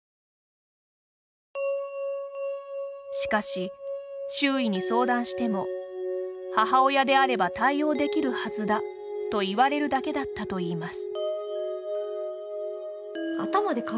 しかし、周囲に相談しても「母親であれば対応できるはずだ」と言われるだけだったといいます。